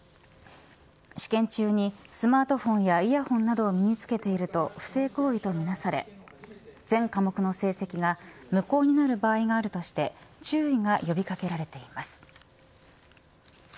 試験中にスマートフォンやイヤホンなどを身につけていると不正行為とみなされ全科目の成績が無効になる場合があるとして注意が呼び掛けられています。